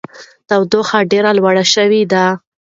تودوخه ډېره لوړه شوې ده.